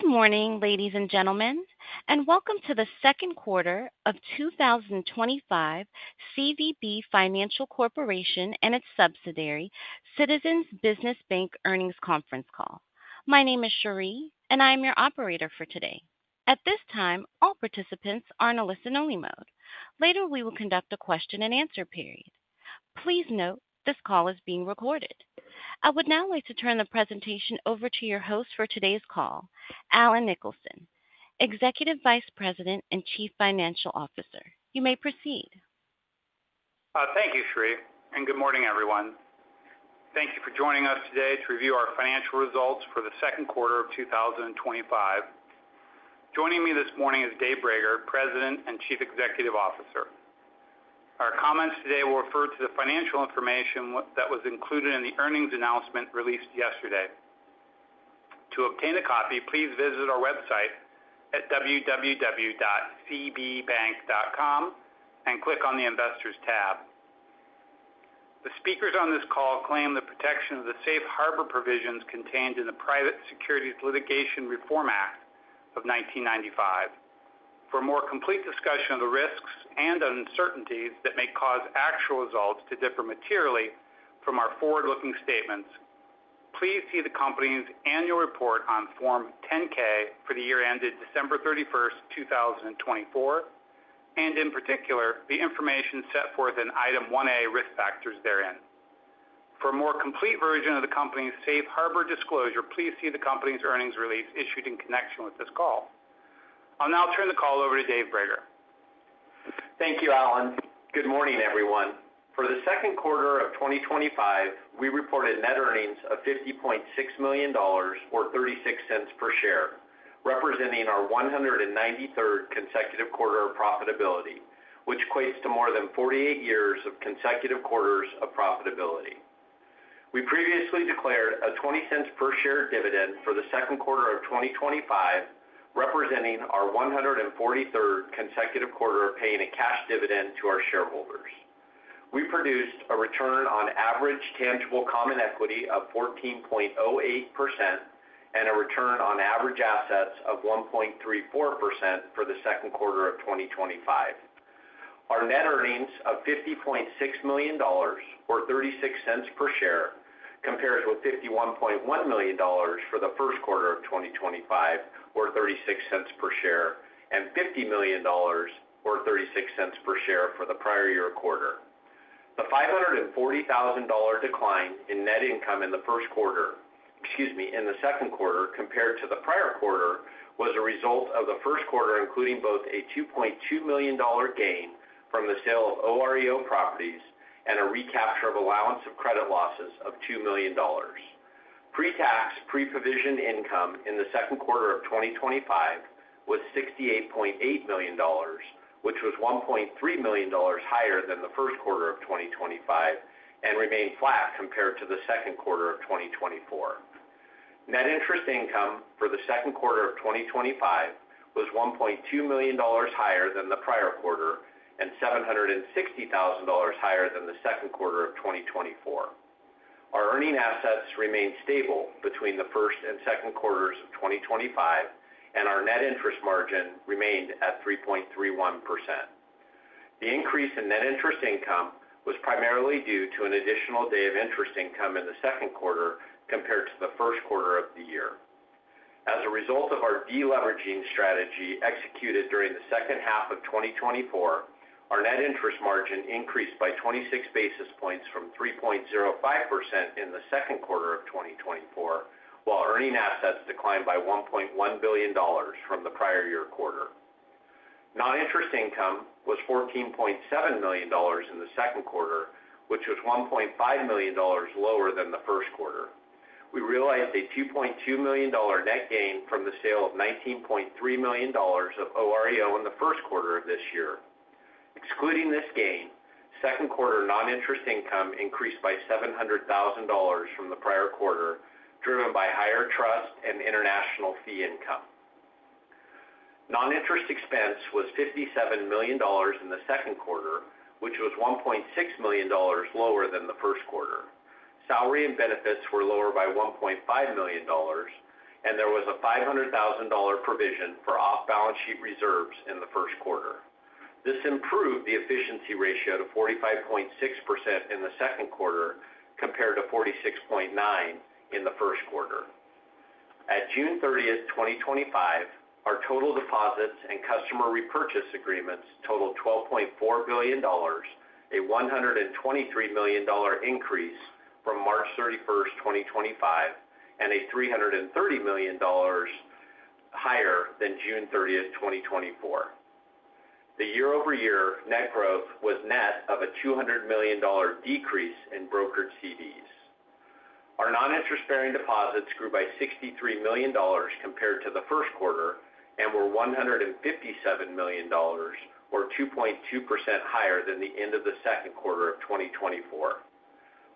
Good morning, ladies and gentlemen, and welcome to the 2025 CVB Financial Corporation and its subsidiary Citizens Business Bank Earnings Conference Call. My name is Sherry, and I am your operator for today. At this time, all participants are in a listen only mode. Later, we will conduct a question and answer period. Please note, this call is being recorded. I would now like to turn the presentation over to your host for today's call, Alan Nicholson, Executive Vice President and Chief Financial Officer. You may proceed. Thank you, Sri, and good morning, everyone. Thank you for joining us today to review our financial results for the second quarter of twenty twenty five. Joining me this morning is Dave Breger, President and Chief Executive Officer. Our comments today will refer to the financial information that was included in the earnings announcement released yesterday. To obtain a copy, please visit our website at www.cbbank.com and click on the Investors tab. The speakers on this call claim the protection of the Safe Harbor provisions contained in the Private Securities Litigation Reform Act of 1995. For a more complete discussion of the risks and uncertainties that may cause actual results to differ materially from our forward looking statements, please see the company's annual report on Form 10 ks for the year ended 12/31/2024, and in particular the information set forth in Item 1A Risk Factors therein. For a more complete version of the company's Safe Harbor disclosure, please see the company's earnings release issued in connection with this call. I'll now turn the call over to Dave Brager. Thank you, Alan. Good morning, everyone. For the second quarter of twenty twenty five, we reported net earnings of $50,600,000 or $0.36 per share, representing our one hundred and ninety third consecutive quarter of profitability, which equates to more than forty eight years of consecutive quarters of profitability. We previously declared a $0.20 per share dividend for the second quarter of twenty twenty five, representing our one hundred and forty third consecutive quarter of paying a cash dividend to our shareholders. We produced a return on average tangible common equity of 14.08% and a return on average assets of 1.34 percent for the second quarter of twenty twenty five. Our net earnings of $50,600,000 or $0.36 per share compares with $51,100,000 for the 2025 or $0.36 per share and $50,000,000 or $0.36 per share for the prior year quarter. The $540,000 decline in net income in the first quarter excuse me, in the second quarter compared to the prior quarter was a result of the first quarter including both a $2,200,000 gain from the sale of OREO properties and a recapture of allowance of credit losses of $2,000,000 Pretax pre provision income in the 2025 was $68,800,000 which was $1,300,000 higher than the 2025 and remained flat compared to the second quarter of twenty twenty four. Net interest income for the 2025 was $1,200,000 higher than the prior quarter and $760,000 higher than the second quarter of twenty twenty four. Our earning assets remained stable between the 2025 and our net interest margin remained at 3.31%. The increase in net interest income was primarily due to an additional day of interest income in the second quarter compared to the first quarter of the year. As a result of our deleveraging strategy executed during the second half of twenty twenty four, our net interest margin increased by 26 basis points from 3.05% in the second quarter of twenty twenty four, while earning assets declined by $1,100,000,000 from the prior year quarter. Non interest income was $14,700,000 in the second quarter, which was $1,500,000 lower than the first quarter. We realized a 2,200,000 net gain from the sale of $19,300,000 of OREO in the first quarter of this year. Excluding this gain, second quarter non interest income increased by $700,000 from the prior quarter, driven by higher trust and international fee income. Non interest expense was $57,000,000 in the second quarter, which was $1,600,000 lower than the first quarter. Salary and benefits were lower by $1,500,000 and there was a $500,000 provision for off balance sheet reserves in the first quarter. This improved the efficiency ratio to 45.6% in the second quarter compared to 46.9% in the first quarter. At 06/30/2025, our total deposits and customer repurchase agreements totaled $12,400,000,000 a 123,000,000 increase from 03/31/2025 and a $330,000,000 higher than 06/30/2024. The year over year net growth was net of a $200,000,000 decrease in brokered CDs. Our non interest bearing deposits grew by $63,000,000 compared to the first quarter and were $157,000,000 or 2.2% higher than the end of the second quarter of twenty twenty four.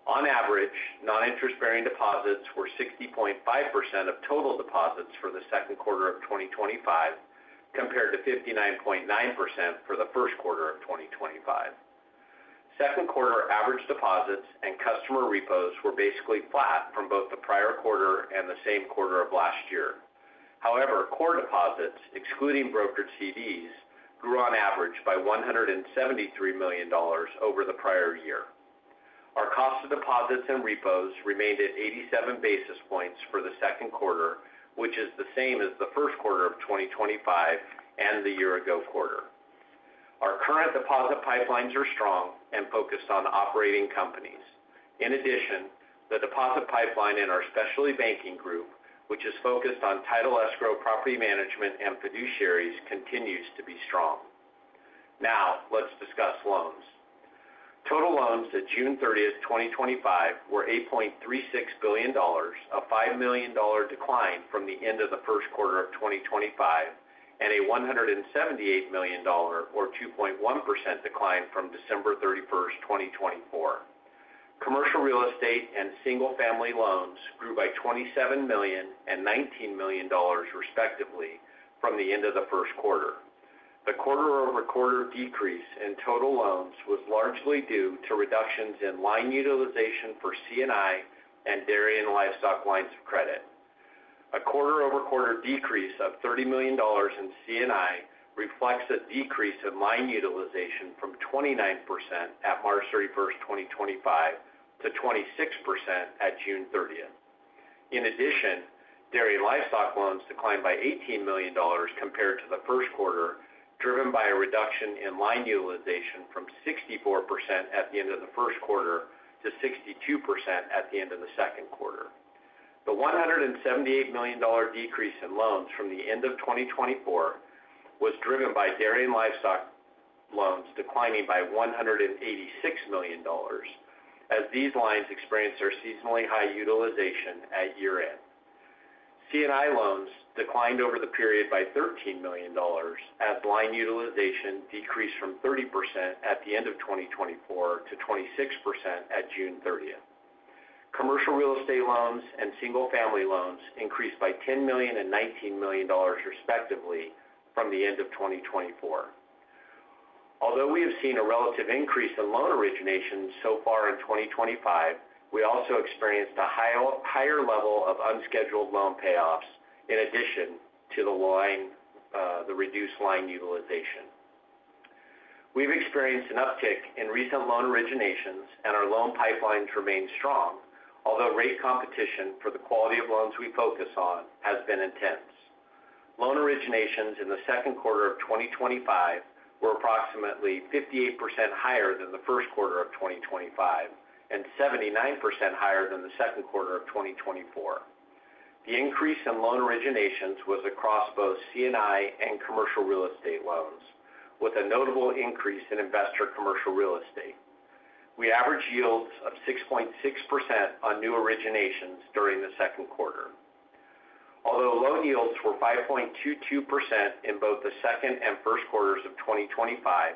On average, non interest bearing deposits were 60.5% of total deposits for the second quarter of twenty twenty five, compared to 59.9% for the first quarter of twenty twenty five. Second quarter average deposits and customer repos were basically flat from both the prior quarter and the same quarter of last year. However, core deposits excluding brokered CDs grew on average by $173,000,000 over the prior year. Our cost of deposits and repos remained at 87 basis points for the second quarter, which is the same as the 2025 and the year ago quarter. Our current deposit pipelines are strong and focused on operating companies. In addition, the deposit pipeline in our specialty banking group, which is focused on title escrow property management and fiduciaries continues to be strong. Now, let's discuss loans. Total loans at 06/30/2025 were $8,360,000,000 a $5,000,000 decline from the end of the 2025 and a $178,000,000 or 2.1% decline from 12/31/2024. Commercial real estate and single family loans grew by 27,000,000 and $19,000,000 respectively from the end of the first quarter. The quarter over quarter decrease in total loans was largely due to reductions in line utilization for C and I and dairy and livestock lines of credit. A quarter over quarter decrease of $30,000,000 in C and I reflects a decrease in line utilization from 29% at 03/31/2025 to 26% at June 30. In addition, dairy livestock loans declined by $18,000,000 compared to the first quarter, driven by a reduction in line utilization from 64% at the end of the first quarter to 62% at the end of the second quarter. The $178,000,000 decrease in loans from the 2024 was driven by dairy and livestock loans declining by $186,000,000 as these lines experienced their seasonally high utilization at year end. C and I loans declined over the period by $13,000,000 as line utilization decreased from 30% at the 2024 to 26% at June 30. Commercial real estate loans and single family loans increased by 10,000,000 and $19,000,000 respectively from the end of twenty twenty four. Although we have seen a relative increase in loan originations so far in 2025, we also experienced a higher level of unscheduled loan payoffs in addition to the line, the reduced line utilization. We've experienced an uptick in recent loan originations and our loan pipelines remain strong, although rate competition for the quality of loans we focus on has been intense. Loan originations in the 2025 were approximately 58% higher than the 2025 and seventy nine percent higher than the second quarter of twenty twenty four. The increase in loan originations was across both C and I and commercial real estate loans with a notable increase in investor commercial real estate. We average yields of 6.6% on new originations during the second quarter. Although loan yields were 5.22% in both the second and first quarters of twenty twenty five,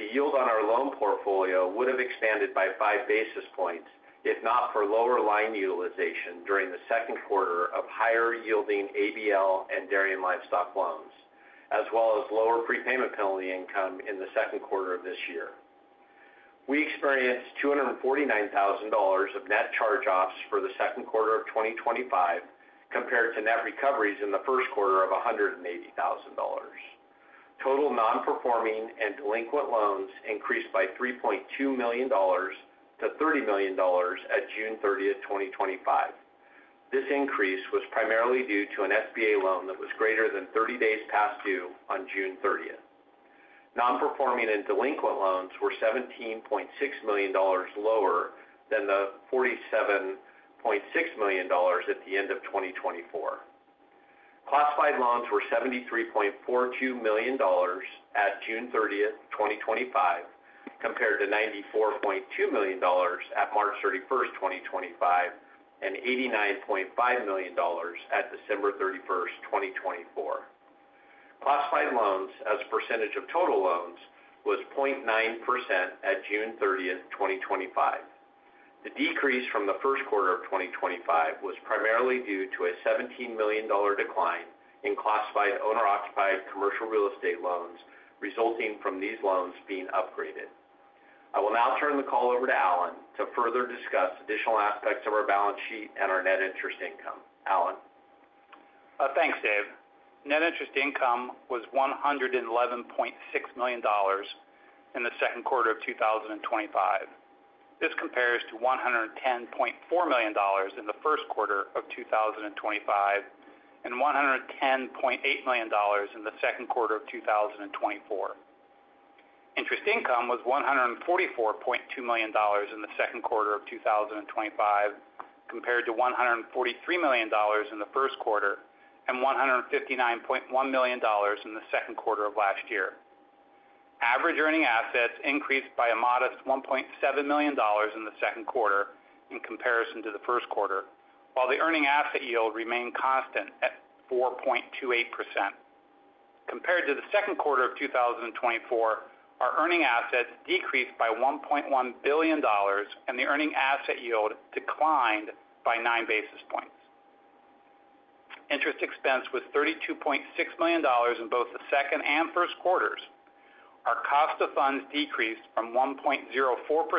The yield on our loan portfolio would have expanded by five basis points, if not for lower line utilization during the second quarter of higher yielding ABL and dairy and livestock loans, as well as lower prepayment penalty income in the second quarter of this year. We experienced $249,000 of net charge offs for the 2025 compared to net recoveries in the first quarter of $180,000 Total non performing and delinquent loans increased by $3,200,000 to $30,000,000 at 06/30/2025. This increase was primarily due to an SBA loan that was greater than thirty days past due on June 30. Non performing and delinquent loans were $17,600,000 lower than the $47,600,000 at the end of twenty twenty four. Classified loans were $73,420,000 at 06/30/2025, compared to $94,200,000 at 03/31/2025, and $89,500,000 at 12/31/2024. Classified loans as a percentage of total loans was 0.9% at 06/30/2025. The decrease from the 2025 was primarily due to a $17,000,000 decline in classified owner occupied commercial real estate loans resulting from these loans being upgraded. I will now turn the call over to Alan to further discuss additional aspects of our balance sheet and our net interest income. Alan? Thanks, Dave. Net interest income was $111,600,000 in the second quarter of twenty twenty five. This compares to $110,400,000 in the 2025 and $110,800,000 in the second quarter of twenty twenty four. Interest income was $144,200,000 in the 2025 compared to $143,000,000 in the first quarter and $159,100,000 in the second quarter of last year. Average earning assets increased by a modest $1,700,000 in the second quarter in comparison to the first quarter, while the earning asset yield remained constant at 4.28. Compared to the second quarter of twenty twenty four, our earning assets decreased by $1,100,000,000 and the earning asset yield declined by nine basis points. Interest expense was $32,600,000 in both the second and first quarters. Our cost of funds decreased from 1.04% for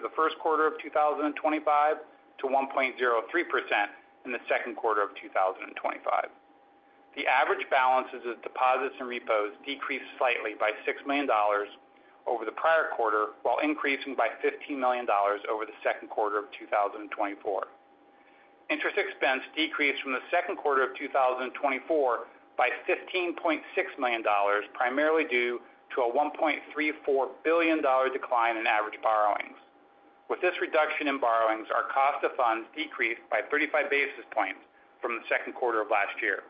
the 2025 to 1.03% in the second quarter of twenty twenty five. The average balances of deposits and repos decreased slightly by $6,000,000 over the prior quarter while increasing by 15,000,000 over the second quarter of twenty twenty four. Interest expense decreased from the 2024 by $15,600,000 primarily due to a $1,340,000,000 decline in average borrowings. With this reduction in borrowings, our cost of funds decreased by 35 basis points from the second quarter of last year.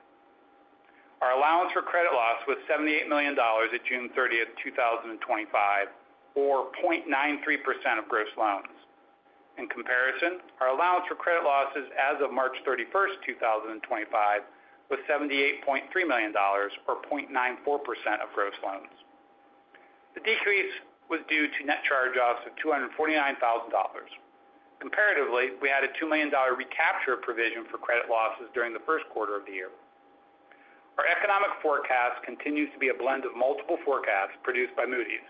Our allowance for credit loss was $78,000,000 at 06/30/2025 or 0.93% of gross loans. In comparison, our allowance for credit losses as of 03/31/2025 was $78,300,000 or 0.94% of gross loans. The decrease was due to net charge offs of $249,000 Comparatively, we had a $2,000,000 recapture provision for credit losses during the first quarter of the year. Our economic forecast continues to be a blend of multiple forecasts produced by Moody's.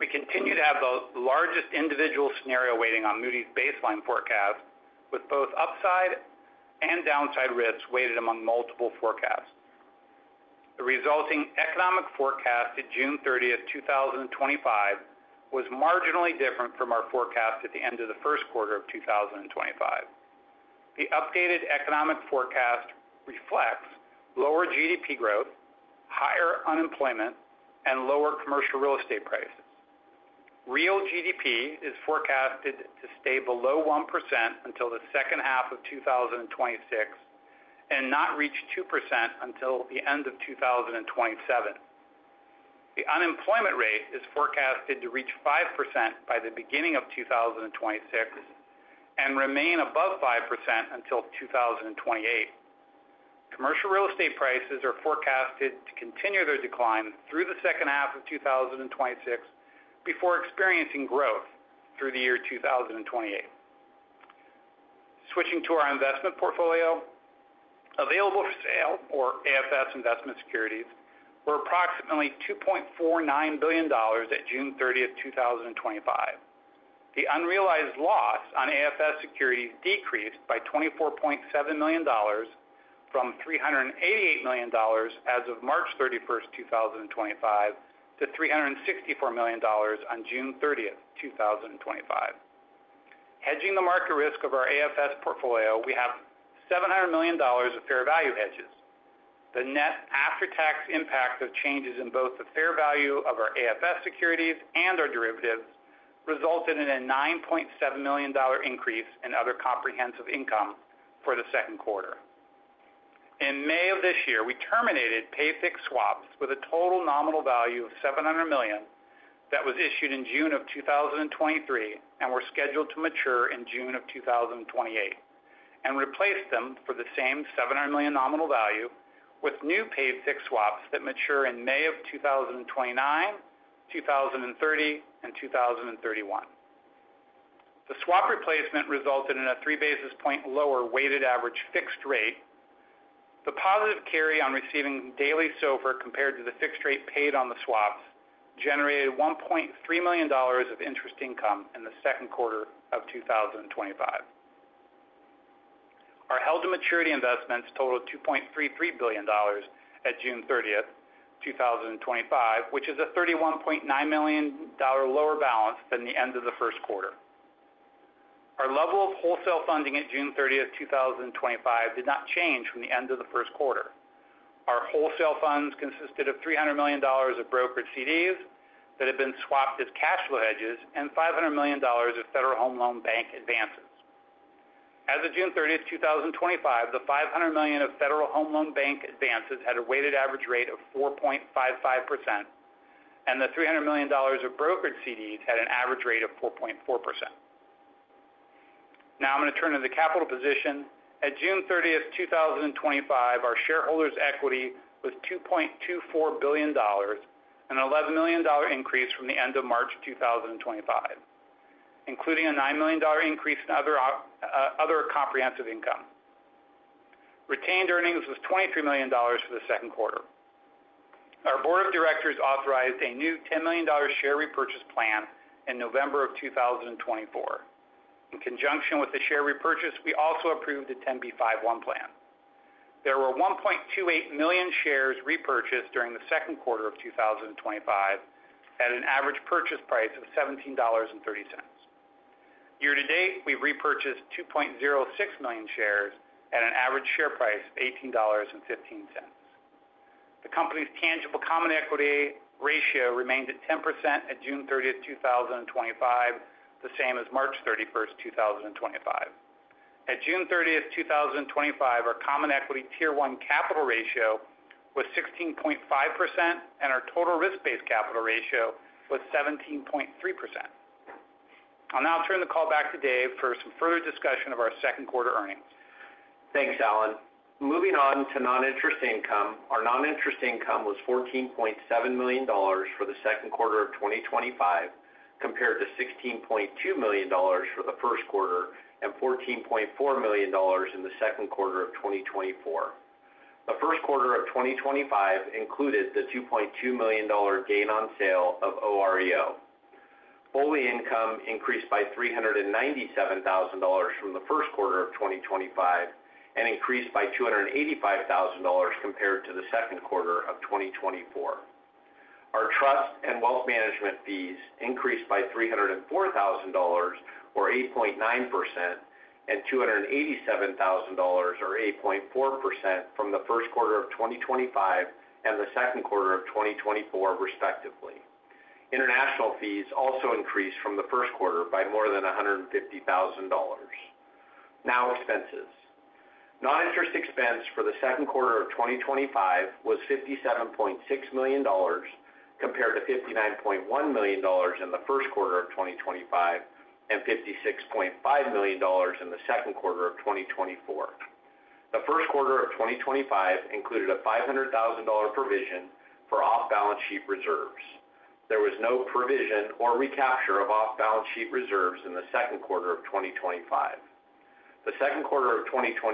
We continue to have the largest individual scenario waiting on Moody's baseline forecast with both upside and downside risks weighted among multiple forecasts. The resulting economic forecast at 06/30/2025 was marginally different from our forecast at the end of the first quarter of twenty twenty five. The updated economic forecast reflects lower GDP growth, higher unemployment and lower commercial real estate prices. Real GDP is forecasted to stay below 1% until the 2026 and not reach 2% until the end of twenty twenty seven. The unemployment rate is forecasted to reach 5% by the 2026 and remain above 5% until 2028. Commercial real estate prices are forecasted to continue their decline through the 2026 before experiencing growth through the year 2028. Switching to our investment portfolio, available for sale or AFS investment securities were approximately $2,490,000,000 at 06/30/2025. The unrealized loss on AFS securities decreased by 24,700,000 from $388,000,000 as of 03/31/2025 to $364,000,000 on 06/30/2025. Hedging the market risk of our AFS portfolio, we have $700,000,000 of fair value hedges. The net after tax impact of changes in both the fair value of our AFS securities and our derivatives resulted in a $9,700,000 increase in other comprehensive income for the second quarter. In May, we terminated pay fixed swaps with a total nominal value of $700,000,000 that was issued in June 2023 and were scheduled to mature in June 2028 and replaced them for the same $700,000,000 nominal value with new paid fixed swaps that mature in May, 2030 and 02/1931. The swap replacement resulted in a three basis point lower weighted average fixed rate. The positive carry on receiving daily SOFR compared to the fixed rate paid on the swaps generated $1,300,000 of interest income in the second quarter of twenty twenty five. Our held to maturity investments totaled $2,330,000,000 at 06/30/2025, which is a $31,900,000 lower balance than the end of the first quarter. Our level of wholesale funding at 06/30/2025 did not change from the end of the first quarter. Our wholesale funds consisted of $300,000,000 of brokered CDs that have been swapped as cash flow hedges and $500,000,000 of Federal Home Loan Bank advances. As of 06/30/2025, the $500,000,000 of Federal Home Loan Bank advances had a weighted average rate of 4.55% and the $300,000,000 of brokered CDs had an average rate of 4.4%. Now I'm going to turn to the capital position. At 06/30/2025, our shareholders' equity was $2,240,000,000 an $11,000,000 increase from the March, including a $9,000,000 increase in other comprehensive income. Retained earnings was $23,000,000 for the second quarter. Our Board of Directors authorized a new $10,000,000 share repurchase plan in November. In conjunction with the share repurchase, we also approved a 10b5-one plan. There were 1,280,000.00 shares repurchased during the 2025 at an average purchase price of $17.3 Year to date, we repurchased 2,060,000.00 shares at an average share price of $18.15 The company's tangible common equity ratio remained at 10% at 06/30/2025, the same as 03/31/2025. At 06/30/2025, our common equity Tier one capital ratio was 16.5% and our total risk based capital ratio was 17.3%. I'll now turn the call back to Dave for some further discussion of our second quarter earnings. Thanks, Alan. Moving on to non interest income, our non interest income was $14,700,000 for the 2025 compared to $16,200,000 for the first quarter and $14,400,000 in the second quarter of twenty twenty four. The 2025 included the $2,200,000 gain on sale of OREO. OLE income increased by $397,000 from the 2025 and increased by $285,000 compared to the second quarter of twenty twenty four. Our trust and wealth management fees increased by $304,000 or eight point nine percent and $287,000 or 8.4% from the 2025 and the 2024 respectively. International fees also increased from the first quarter by more than $150,000 Now expenses. Non interest expense for the 2025 was $57,600,000 compared to $59,100,000 in the 2025 and $56,500,000 in the second quarter of twenty twenty four. The 2025 included a $500,000 provision for off balance sheet reserves. There was no provision or recapture of off balance sheet reserves in the second quarter of twenty twenty five. The 2024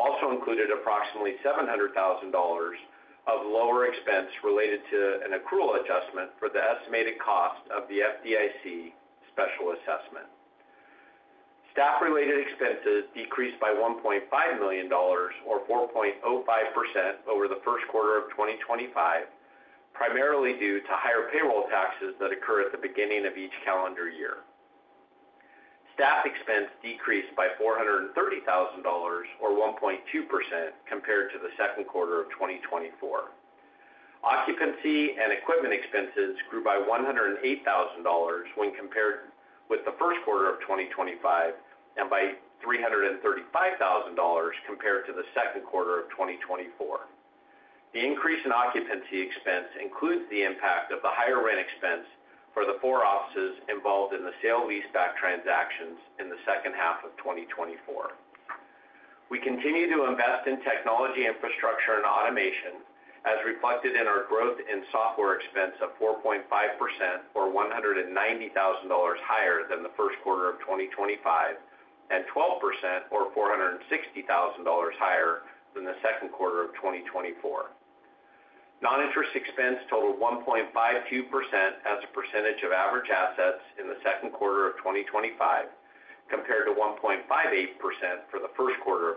also included approximately $700,000 of lower expense related to an accrual adjustment for the estimated cost of the FDIC special assessment. Staff related expenses decreased by $1,500,000 or 4.05% over the first quarter of twenty twenty five, primarily due to higher payroll taxes that occur at the beginning of each calendar year. Staff expense decreased by $430,000 or 1.2 percent compared to the second quarter of twenty twenty four. Occupancy and equipment expenses grew by $108,000 when compared with the 2025 and by $335,000 compared to the second quarter of twenty twenty four. The increase in occupancy expense includes the impact of the higher rent expense for the four offices involved in the sale leaseback transactions in the second half of twenty twenty four. We continue to invest in technology infrastructure and automation as reflected in our growth in software expense of 4.5% or $190,000 higher than the 2025 and twelve percent or $460,000 higher than the second quarter of twenty twenty four. Non interest expense totaled 1.52% as a percentage of average assets in the 2025 compared to 1.58% for the 2025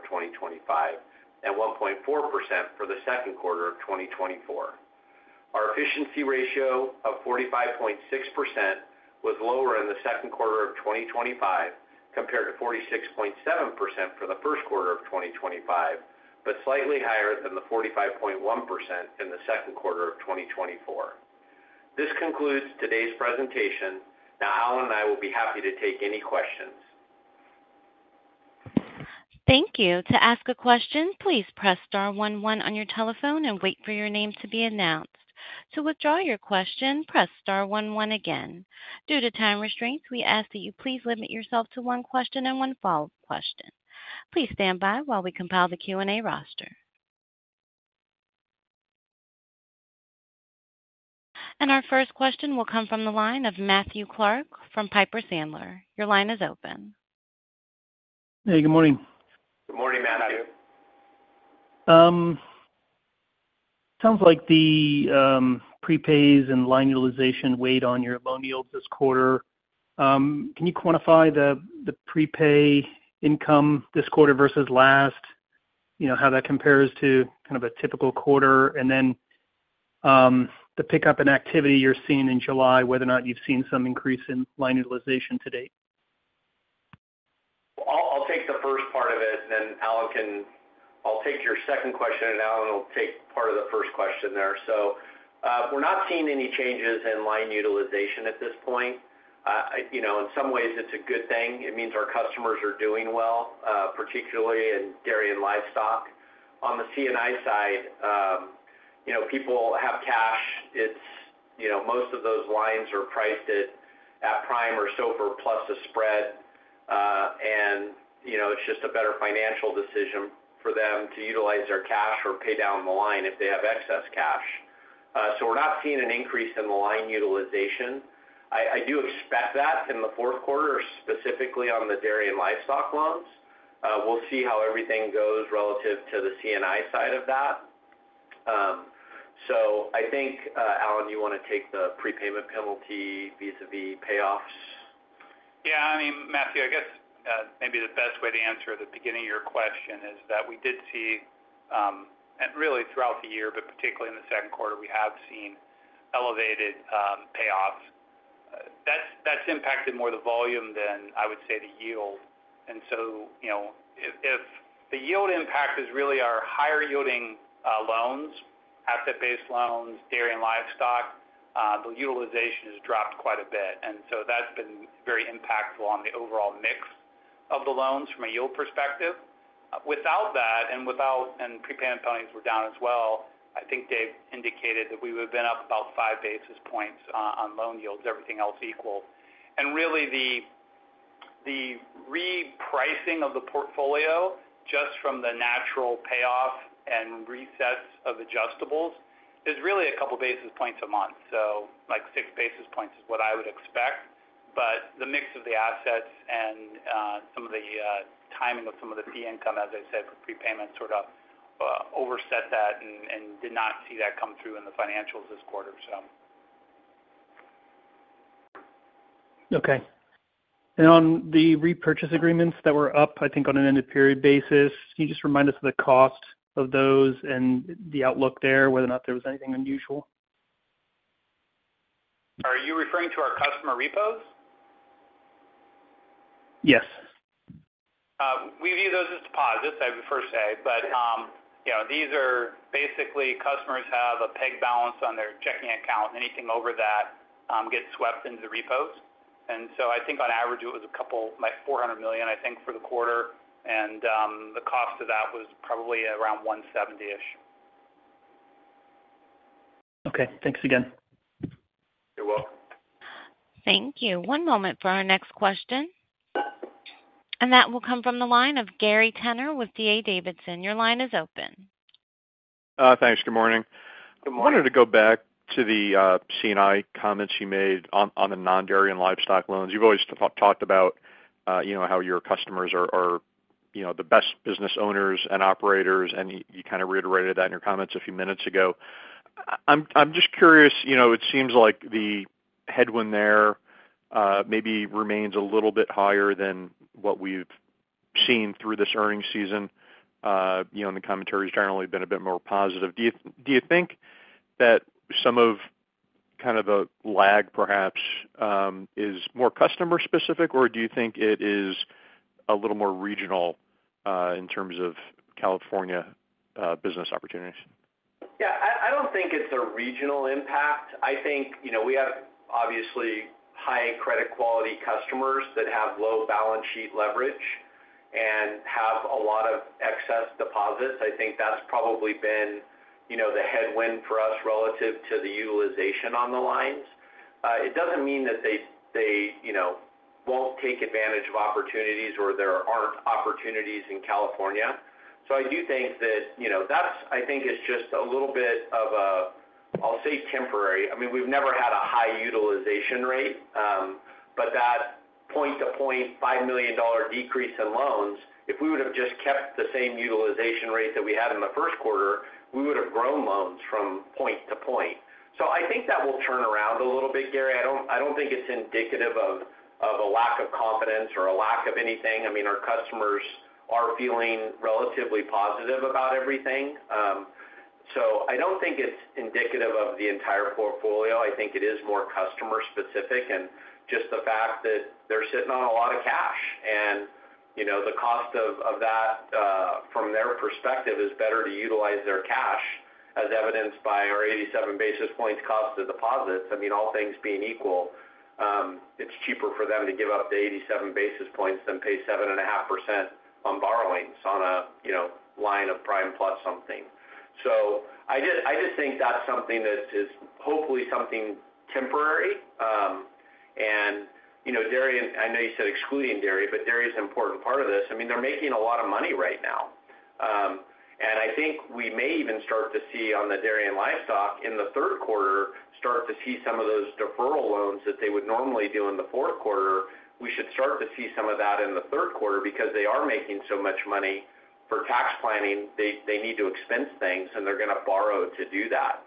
and one point four percent for the second quarter of twenty twenty four. Our efficiency ratio of 45.6% was lower in the 2025 compared to 46.7% for the first quarter of twenty twenty five, but slightly higher than the 45.1% in the second quarter of twenty twenty four. This concludes today's presentation. Now, Alan and I will be happy to take any questions. Thank And our first question will come from the line of Matthew Clark from Piper Sandler. Your line is open. Hey, good morning. Good morning, Matthew. Sounds like the prepays and line utilization weighed on your loan yields this quarter. Can you quantify the prepay income this quarter versus last? How that compares to kind of a typical quarter? And then the pickup in activity you're seeing in July, whether or not you've seen some increase in line utilization to date? I'll take the first part of it and then Alan can I'll take your second question and Alan will take part of the first question there. So, we're not seeing any changes in line utilization at this point. In some ways, it's a good thing. It means our customers are doing well, particularly in dairy and livestock. On the C and I side, people have cash, it's most of those lines are priced at prime or silver plus the spread. And it's just a better financial decision for them to utilize their cash or pay down the line if they have excess cash. So we're not seeing an increase in the line utilization. I do expect that in the fourth quarter specifically on the dairy and livestock loans. We'll see how everything goes relative to the C and I side of that. So I think, Alan, you want to take the prepayment penalty Yeah, mean, Matthew, I guess, maybe the best way to answer the beginning of your question is that we did see, and really throughout the year, but particularly in the second quarter, we have seen elevated, payoffs. That's impacted more the volume than I would say the yield. And so if the yield impact is really our higher yielding loans, asset based loans, dairy and livestock, but utilization has dropped quite a bit. And so that's been very impactful on the overall mix of the loans from a yield perspective. Without that and without and prepayment penalties were down as well, I think Dave indicated that we would have been up about five basis points on loan yields, everything else equal. And really the repricing of the portfolio just from the natural payoff and resets of adjustables is really a couple of basis points a month. So like six basis points is what I would expect, but the mix of the assets and, some of the timing of some of the fee income, as I said, prepayments sort of overset that and did not see that come through in the financials this quarter. And on the repurchase agreements that were up, I think on an end of period basis, can you just remind us of the cost of those and the outlook there, whether or there was anything unusual? Are you referring to our customer repos? Yes. We view those as deposits, I would first say, but these are basically customers have a peg balance on their checking account and anything over that gets swept into the repos. And so I think on average, it was a couple like 400,000,000, I think for the quarter and the cost of that was probably around 170 ish. Okay, thanks again. You're welcome. Thank you. One moment for our next question. And that will come from the line of Gary Tenner with D. A. Davidson. Your line is open. Thanks. Good morning. Morning. I wanted to go back to the C and I comments you made on the non dairy and livestock loans. You've always talked about how your customers are the best business owners and operators, and you reiterated that in your comments a few minutes ago. I'm just curious, it seems like the headwind there maybe remains a little bit higher than what we've seen through this earnings season. The commentary has generally been a bit more positive. Do you think that some of kind of a lag perhaps is more customer specific? Or do you think it is a little more regional in terms of California business opportunities? Yes, I don't think it's a regional impact. I think we have obviously high credit quality customers that have low balance sheet leverage and have a lot of excess deposits. I think that's probably been the headwind for us relative to the utilization on the lines. It doesn't mean that they won't take advantage of opportunities or there aren't opportunities in California. So I do think that, that's I think it's just a little bit of a, I'll say temporary. I mean, we've never had a high utilization rate, but that point to point $5,000,000 decrease in loans, if we would have just kept the same utilization rate that we had in the first quarter, we would have grown loans from point to point. So I think that will turn around a little bit Gary. I don't think it's indicative of a lack of confidence or a lack of anything. I mean, customers are feeling relatively positive about everything. So, I don't think it's indicative of the entire portfolio. I think it is more customer specific and just the fact that they're sitting on a lot of cash and the cost of that from their perspective is better to utilize their cash as evidenced by our 87 basis points cost of deposits. I mean, all things being equal, it's cheaper for them to give up the 87 basis points than pay 7.5% on borrowings on a line of prime plus something. So I just think that's something that is hopefully something temporary and dairy and know you said excluding dairy, but dairy is important part of this. I mean, they're making a lot of money right now. And I think we may even start to see on the dairy and livestock in the third quarter, start to see some of those deferral loans that they would normally do in the fourth quarter. We should start to see some of that in the third quarter because they are making so much money for tax planning. They need to expense things and they're going to borrow to do that.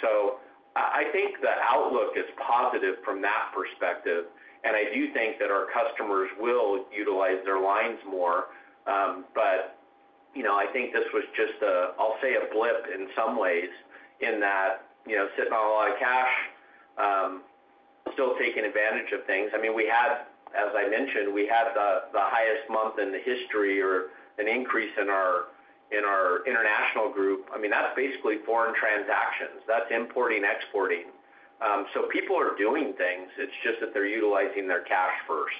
So, I think the outlook is positive from that perspective. And I do think that our customers will utilize their lines more, but I think this was just, I'll say a blip in some ways in that, sitting on a lot of cash, still taking advantage of things. I mean, we had, as I mentioned, we had the highest month in the history or an increase in our international group. I mean, that's basically transactions, that's importing, exporting. So people are doing things, it's just that they're utilizing their cash first.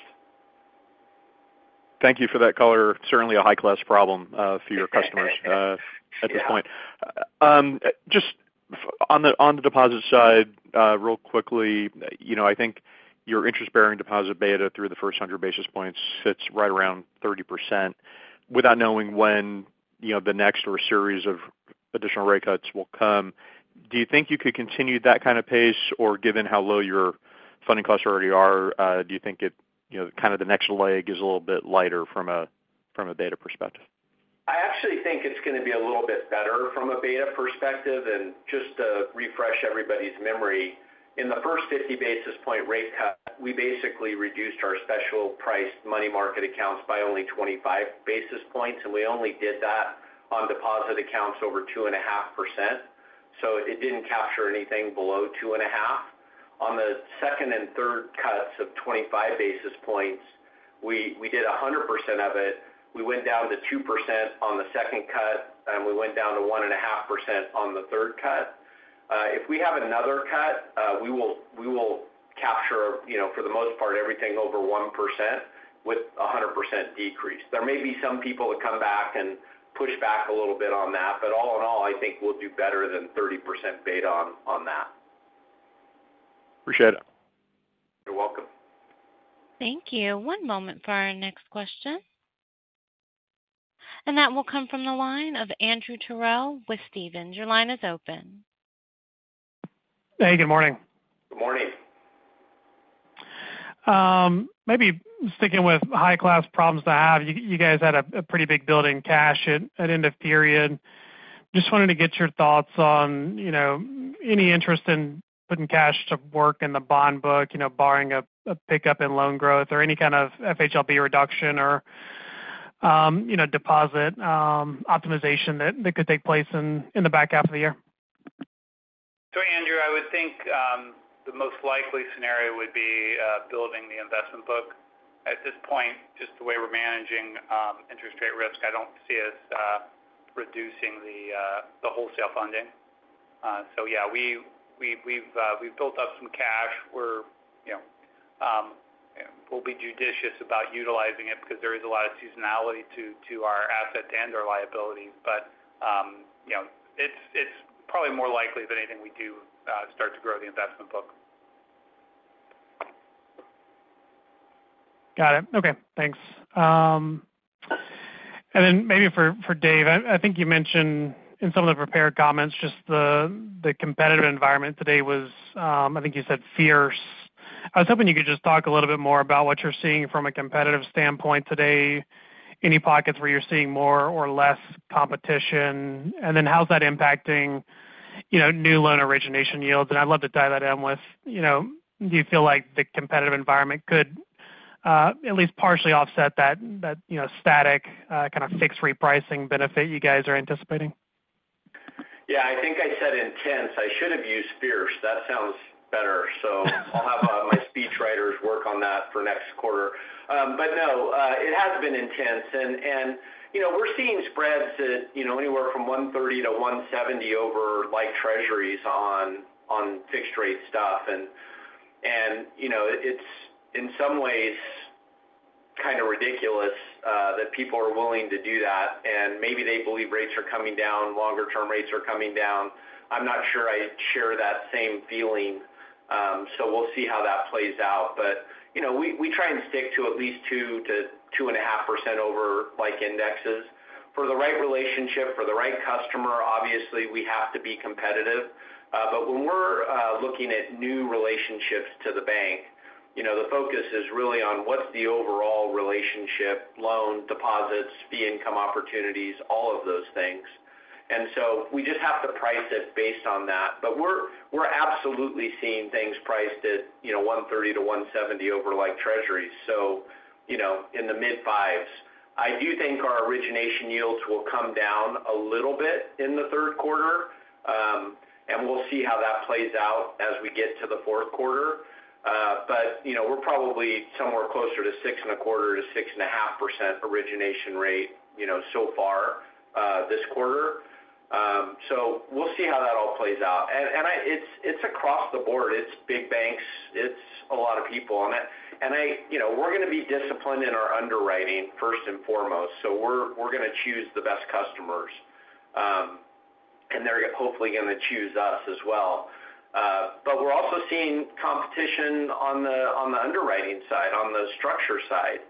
Thank you for that color. Certainly a high class problem for your customers Just at this on the deposit side, real quickly, I think your interest bearing deposit beta through the first 100 basis points sits right around 30% without knowing when the next or series of additional rate cuts will come. Do you think you could continue that kind of pace? Or given how low your funding costs already are, do you think it kind of the next leg is a little bit lighter from a beta perspective? I actually think it's going to be a little bit better from a beta perspective and just to refresh everybody's memory. In the first 50 basis point rate cut, we basically reduced our special priced money market accounts by only 25 basis points and we only did that on deposit accounts over 2.5%. So it didn't capture anything below 2.5. On the second and third cuts of 25 basis points, we did 100% of it. We went down to 2% on the second cut and we went down to 1.5% on the third cut. If we have another cut, we will capture for the most part everything over 1% with 100% decrease. There may be some people that come back and push back a little bit on that, but all in all, I think we'll do better than 30% beta on that. Appreciate it. You're welcome. Thank you. One moment for our next question. And that will come from the line of Andrew Terrell with Stephens. Your line is open. Hey, good morning. Good morning. Maybe sticking with high class problems to have, you guys had a pretty big build in cash at end of period. Just wanted to get your thoughts on any interest in putting cash to work in the bond book, barring a pickup in loan growth or any kind of FHLB reduction or deposit optimization that could take place in the back half of the year? So Andrew, would think the most likely scenario would be building the investment book. At this point, just the way we're managing interest rate risk, I don't see us reducing the wholesale funding. So yes, we've built up some cash. We'll be judicious about utilizing it because there is a lot of seasonality to our assets and our liabilities, but it's probably more likely than anything we do start to grow the investment book. Got it. Okay, thanks. And then maybe for Dave, I think you mentioned in some of the prepared comments just the competitive environment today was, I think you said fierce. I was hoping you could just talk a little bit more about what you're seeing from a competitive standpoint today, any pockets where you're seeing more or less competition? And then how is that impacting new loan origination yields? And I'd love to tie that in with do you feel like the competitive environment could at least partially offset that static kind of fixed repricing benefit you guys are anticipating? Yes, I think I said intense. I should have used fierce. That sounds better. So I'll have my speech writers work on that for next quarter. But no, it has been intense and we're seeing spreads anywhere from 130 to 170 over like treasuries on fixed rate stuff. It's in some ways kind of ridiculous that people are willing to do that and maybe they believe rates are coming down, longer term rates are coming down. I'm not sure I share that same feeling. So we'll see how that plays out. But we try and stick to at least 2% to 2.5% over like indexes for the right relationship, for the right customer, obviously we have to be competitive. But when we're looking at new relationships to the bank, the focus is really on what's the overall relationship loan, deposits, fee income opportunities, all of those things. And so we just have to price it based on that. But we're absolutely seeing things priced at 130 to 170 over like treasuries. So, the mid fives, I do think our origination yields will come down a little bit in the third quarter and we'll see how that plays out as we get to the fourth quarter. But we're probably somewhere closer to 6.25% to 6.5% origination rate so far this quarter. So we'll see how that all plays out. And it's across the board, it's big banks, it's a lot of people on it. And we're going to be disciplined in our underwriting first and foremost. So we're going to choose the best customers and they're hopefully going to choose us as well. But we're also seeing competition on the underwriting side, on the structure side.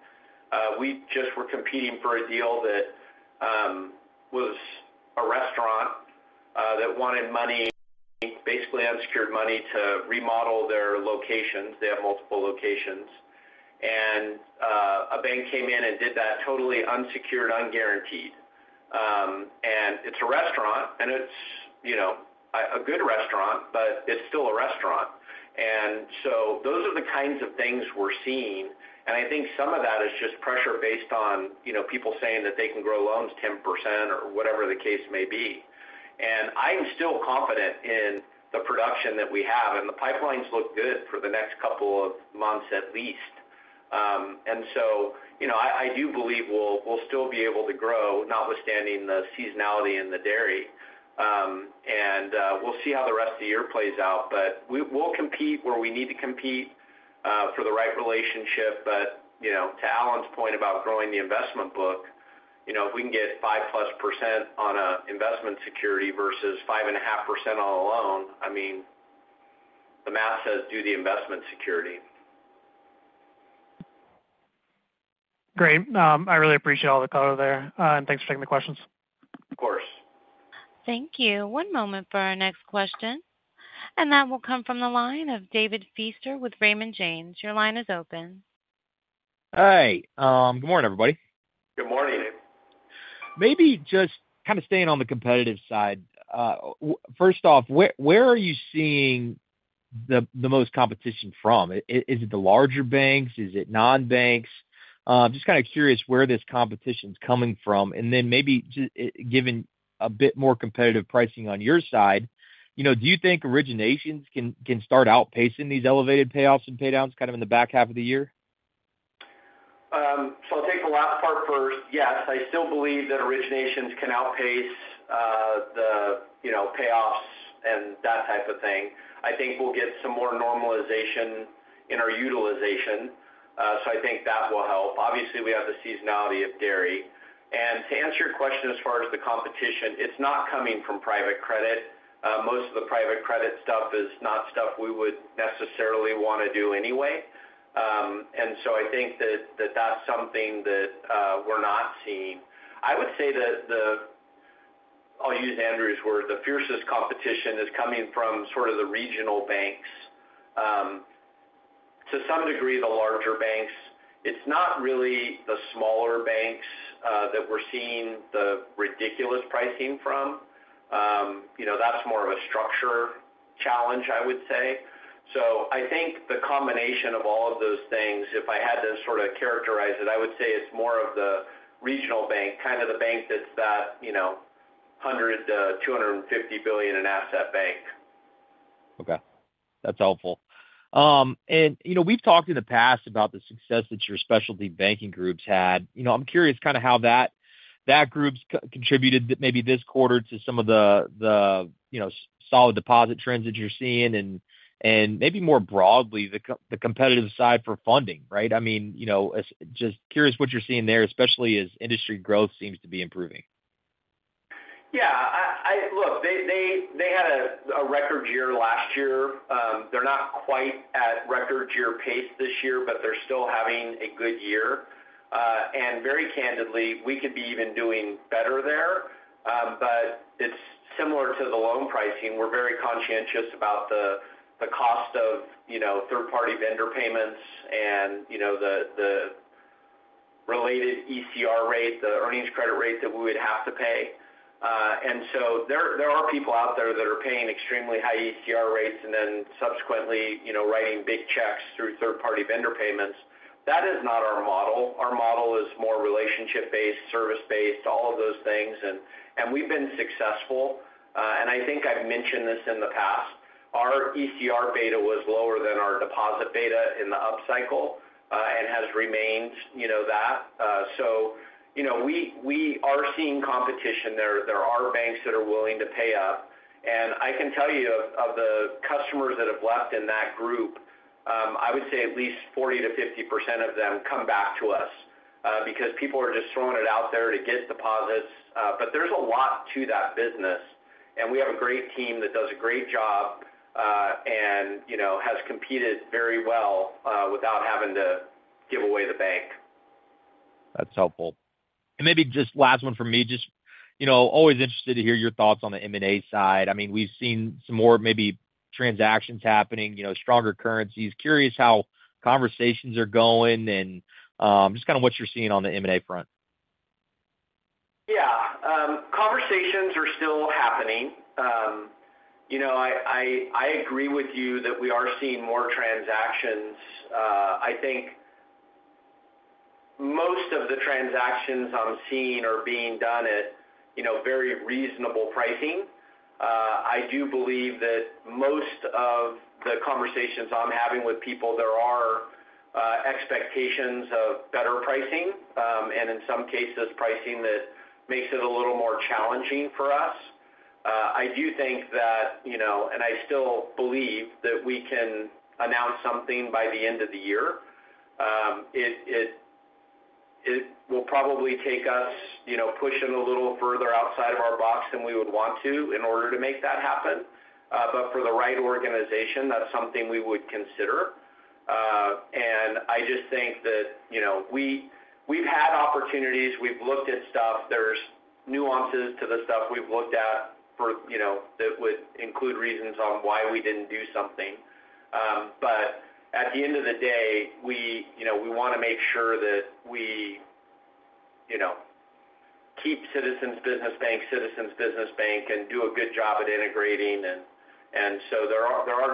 We just were competing for a deal that was a restaurant that wanted money basically unsecured money to remodel their locations. They have multiple locations and a bank came in and did that totally unsecured, unguaranteed. And it's a restaurant and it's a good restaurant, but it's still a restaurant. And so those are the kinds of things we're seeing. And I think some of that is just pressure based on people saying that they can grow loans 10% or whatever the case may be. And I'm still confident in the production that we have and the pipelines look good for the next couple of months at least. And so, I do believe we'll still be able to grow notwithstanding the seasonality in the dairy. And we'll see how the rest of the year plays out, but we will compete where we need to compete for the right relationship. But to Alan's point about growing the investment book, if we can get five plus percent on investment security versus 5.5% all alone, I mean, the math says do the investment security. Great. I really appreciate all the color there. Thanks for taking the questions. Of course. Thank you. One moment for our next question. And that will come from the line of David Feaster with Raymond James. Your line is open. Hi. Good morning, everybody. Good morning. Maybe just kind of staying on the competitive side. First off, where are you seeing the most competition from? Is it the larger banks? Is it non banks? Just kind of curious where this competition is coming from. And then maybe given a bit more competitive pricing on your side, do you think originations can start outpacing these elevated payoffs and paydowns kind of in the back half of the year? So I'll take the last part first. Yes, I still believe that originations can outpace the payoffs and that type of thing. I think we'll get some more normalization in our utilization. So I think that will help. Obviously, have the seasonality of dairy. And to answer your question as far as the competition, it's not coming from private credit. Most of the private credit stuff is not stuff we would necessarily want to do anyway. And so I think that that's something that we're not seeing. I would say that the I'll use Andrew's word, the fiercest competition is coming from sort of the regional banks. To some degree, the larger banks, it's not really the smaller banks that we're seeing the ridiculous pricing from, that's more of a structure challenge, would say. So, I think the combination of all of those things, if I had to sort of characterize it, I would say it's more of the regional bank, kind of the bank that's that 100,000,000,000 to $250,000,000,000 in asset bank. Okay, that's helpful. And we've talked in the past about the success that your specialty banking groups had. I'm curious kind of how that group's contributed maybe this quarter to some of the solid deposit trends that you're seeing and maybe more broadly the competitive side for funding, right? I mean, just curious what you're seeing there, especially as industry growth seems to be improving. Yes, look, they had a record year last year. They're not quite at record year pace this year, but they're still having a good year. And very candidly, we could be even doing better there, but it's similar to the loan pricing. We're very conscientious about the cost of third party vendor payments and the related ECR rate, the earnings credit rate that we would have to pay. And so there are people out there that are paying extremely high ECR rates and then subsequently writing big checks through third party vendor payments. That is not our model. Our model is more relationship based, service based, all of those things we've been successful. And I think I've mentioned this in the past, our ECR beta was lower than our deposit beta in the up cycle and has remained that. Are seeing competition there. There are banks that are willing to pay up. And I can tell you of the customers that have left in that group, I would say at least 40% to 50% of them come back to us, because people are just throwing it out there to get deposits. But there's a lot to that business and we have a great team that does a great job and has competed very well without having to give away the bank. That's helpful. And maybe just last one for me, just always interested to hear your thoughts on the M and A side. I mean, we've seen some more maybe transactions happening, stronger currencies, curious how conversations are going and just kind of what you're seeing on the M and A front? Yes, conversations are still happening. I agree with you that we are seeing more transactions. I think most of the transactions I'm seeing are being done at very reasonable pricing. I do believe that most of the conversations I'm having with people, there are expectations of better pricing and in some cases pricing that makes it a little more challenging for us. I do think that and I still believe that we can announce something by the end of the year. It will probably take us pushing a little further outside of our box than we would want to in order to make that happen. But for the right organization, that's something we would consider. And I just think that, we've had opportunities, we've looked at stuff, there's nuances to the stuff we've looked at for that would include reasons on why we didn't do something. But at the end of the day, we want to make sure that we keep Citizens Business Bank, Citizens Business Bank and do a good job at integrating and so there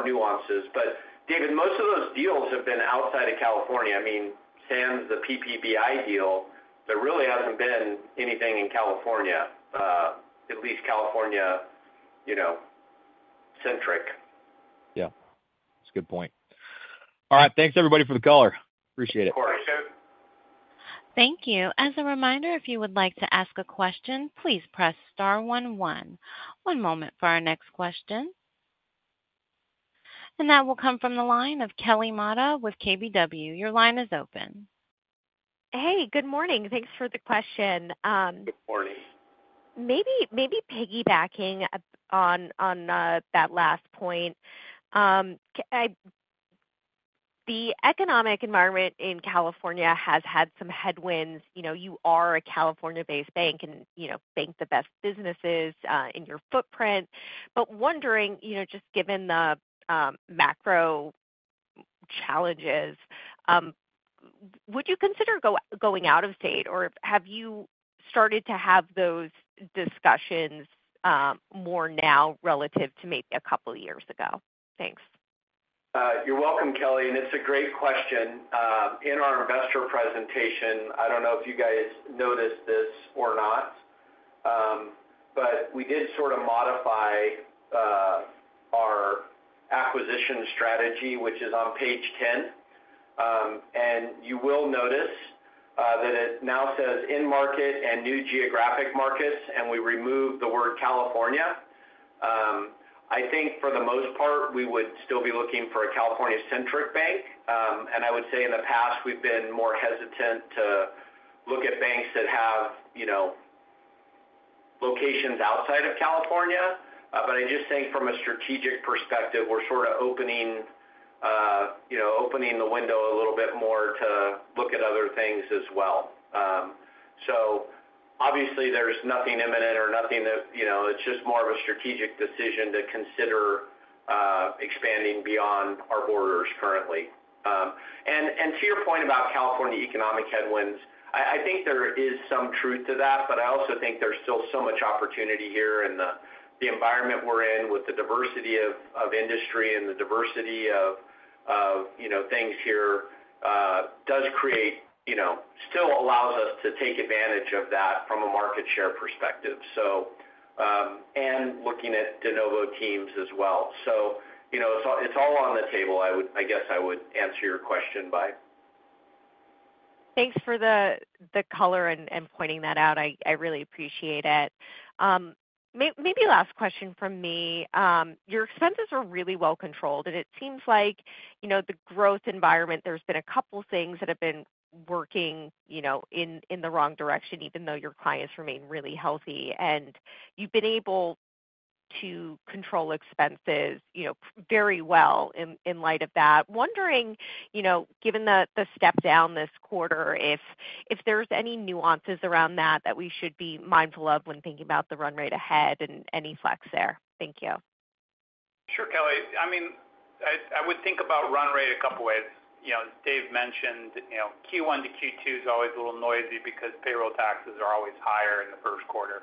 nuances. But David, most of those deals have been outside of California. I mean, Sam's the PPBI deal, there really hasn't been anything in California, at least California centric. Yeah, that's a good point. All right, thanks everybody for the color. Appreciate it. Of course, Joe. Thank you. And that will come from the line of Kelly Motta with KBW. Your line is open. Hey, good morning. Thanks for the question. Good morning. Maybe piggybacking on that last point, The economic environment in California has had some headwinds. Are a California based bank and bank the best businesses in your footprint. But wondering, just given the macro challenges, would you consider going out of state or have you started to have those discussions more now relative to maybe a couple years ago? Thanks. You're welcome, Kelly, and it's a great question. In our investor presentation, I don't know if you guys noticed this or not, but we did sort of modify our acquisition strategy, which is on page 10. And you will notice that it now says in market and new geographic markets and we removed the word California. I think for the most part, we would still be looking for a California centric bank. And I would say in the past, we've been more hesitant to look at banks that have locations outside of California. But I just think from a strategic perspective, we're sort of opening the window a little bit more to look at other things as well. So obviously, there's nothing imminent or nothing that it's just more of a strategic decision to consider expanding beyond our borders currently. And to your point about California economic headwinds, I think there is some truth to that, but I also think there's still so much opportunity here in the environment we're in with the diversity of industry and the diversity of things here does create still allows us to take advantage of that from a market share perspective. So, and looking at de novo teams as well. So, it's all on the table. I guess I would answer your question by. Thanks for the color and pointing that out, I really appreciate it. Maybe last question from me, your expenses are really well controlled and it seems like the growth environment, there's been a couple things that have been working, you know, in in the wrong direction even though your clients remain really healthy. And you've been able to control expenses, you know, very well in in light of that. Wondering, you know, given the the step down this quarter, if if there's any nuances around that, that we should be mindful of when thinking about the run rate ahead and any flex there? Thank you. Sure, Kelly. I mean, I would think about run rate a couple of ways. As Dave mentioned, Q1 to Q2 is always a little noisy because payroll taxes are always higher in the first quarter.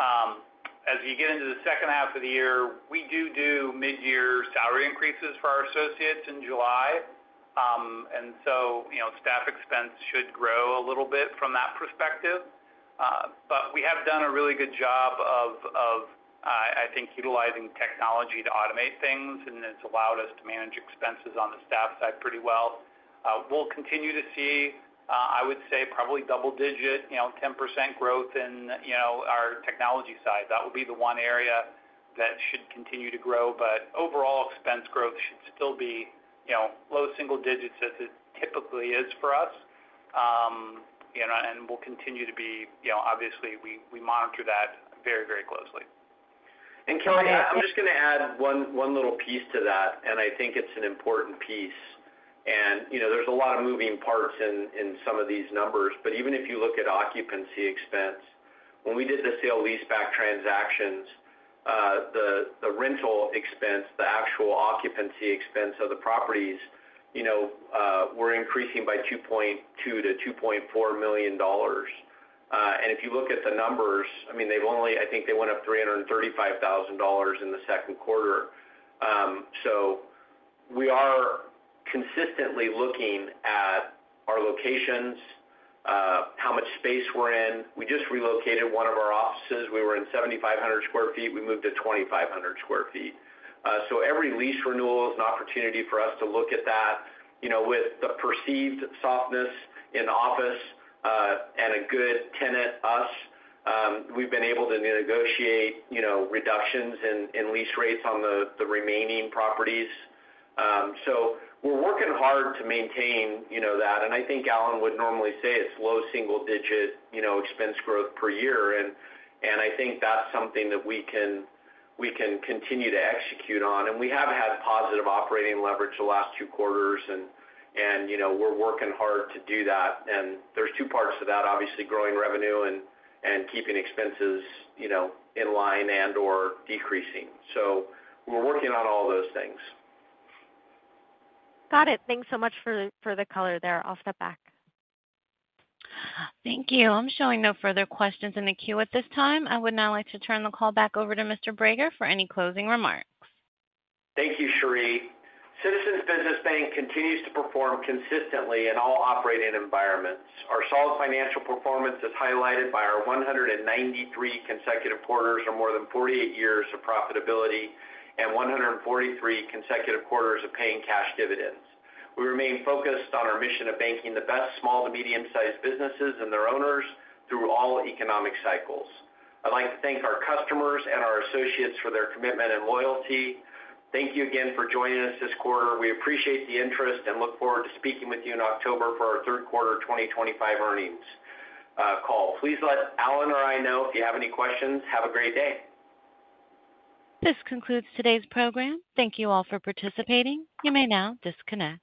As you get into the second half of the year, we do, do mid year salary increases for our associates in July. And so staff expense should grow a little bit from that perspective. But we have done a really good job of, I think utilizing technology to automate things and it's allowed us to manage expenses on the staff side pretty well. We'll continue to see, I would say probably double digit, 10% growth in our technology side. That will be the one area that should continue to grow. But overall expense growth should still be low single digits as it typically is for us. And we'll continue to be obviously we monitor that very, very closely. Kelly, I'm just going to add one little piece to that. And I think it's an important piece. And there's a lot of moving parts in some of these numbers, but even if you look at occupancy expense, when we did the sale leaseback transactions, the rental expense, the actual occupancy expense of the properties, we're increasing by $2,200,000 to $2,400,000 And if you look at the numbers, I mean, they've only, I think they went up $335,000 in the second quarter. So we are consistently looking at our locations, how much space we're in. We just relocated one of our offices. We were in 7,500 square feet. We moved to 2,500 square feet. So every lease renewal is an opportunity for us to look at that with the perceived softness in office and a good tenant us, we've been able to negotiate reductions in lease rates on the remaining properties. So we're working hard to maintain that. And I think Alan would normally say it's low single digit expense growth per year. And I think that's something that we can continue execute on. And we have had positive operating leverage the last two quarters and we're working hard to do that. And there's two parts to that, obviously growing revenue and keeping expenses in line and or decreasing. So we're working on all those things. Got it. Thanks so much for the color there. I'll step back. Thank you. I'm showing no further questions in the queue at this time. I would now like to turn the call back over to Mr. Brager for any closing remarks. Thank you, Sherry. Citizens Business Bank continues to perform consistently in all operating environments. Our solid financial performance is highlighted by our one hundred and ninety three consecutive quarters or more than forty eight years of profitability and one hundred and forty three consecutive quarters of paying cash dividends. We remain focused on our mission of banking the best small to medium sized businesses and their owners through all economic cycles. I'd like to thank our customers and our associates for their commitment and loyalty. Thank you again for joining us this quarter. We appreciate the interest and look forward to speaking with you in October for our third quarter twenty twenty five earnings call. Please let Alan or I know if you have any questions. Have a great day. This concludes today's program. Thank you all for participating. You may now disconnect.